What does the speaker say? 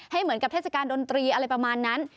เหมือนกับเทศกาลดนตรีอะไรประมาณนั้น